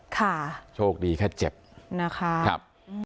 ค่ะโชคดีแค่เจ็บนะคะครับ